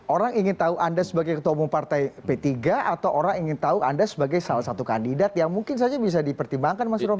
orang ingin tahu anda sebagai ketua umum partai p tiga atau orang ingin tahu anda sebagai salah satu kandidat yang mungkin saja bisa dipertimbangkan mas romy